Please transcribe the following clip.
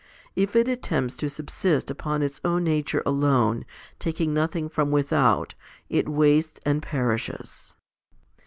If it attempts to subsist upon its own nature alone, taking nothing from without, it wastes and perishes.